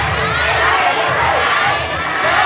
ใช้